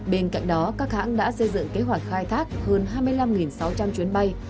bên cạnh đó các hãng đã xây dựng kế hoạch khai thác hơn hai mươi năm sáu trăm linh chuyến bay